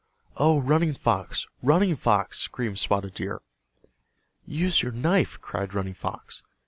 "O Running Fox! Running Fox!" screamed Spotted Deer. "Use your knife!" cried Running Fox.